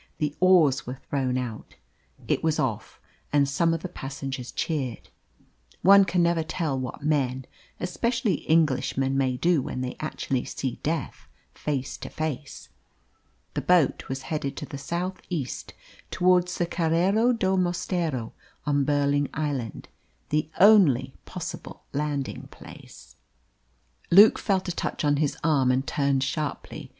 The oars were thrown out. It was off, and some of the passengers cheered. One can never tell what men, especially Englishmen, may do when they actually see death face to face. The boat was headed to the south east, towards the Carreiro do Mosteiro, on Burling Island, the only possible landing place. Luke felt a touch on his arm and turned sharply.